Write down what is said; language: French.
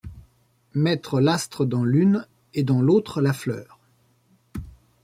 Mettre l’astre dans l’une et dans l’autre la fleur